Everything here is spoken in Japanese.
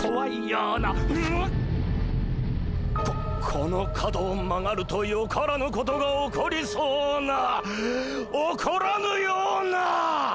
ここの角を曲がるとよからぬことが起こりそうな起こらぬような！